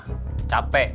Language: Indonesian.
itu tuh udah pening